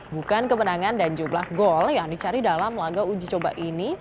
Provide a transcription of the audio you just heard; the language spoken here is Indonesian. bukan kemenangan dan jumlah gol yang dicari dalam laga uji coba ini